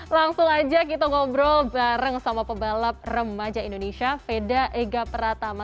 langsung aja kita ngobrol bareng sama pebalap remaja indonesia veda ega pratama